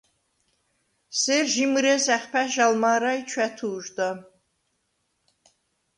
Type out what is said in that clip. სერ ჟი მჷრე̄ს ა̈ხფა̈შ ალ მა̄რა ი ჩვა̈თუ̄ჟდა.